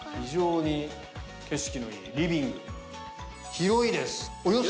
広いです。